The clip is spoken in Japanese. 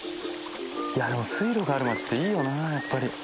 いやでも水路がある町っていいよなやっぱり。